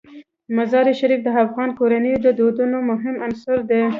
مزارشریف د افغان کورنیو د دودونو مهم عنصر دی.